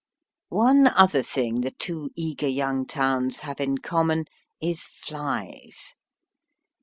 One other thing the two eager young towns have in common is flies.